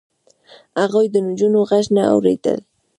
هغوی د نجونو غږ نه اورېد.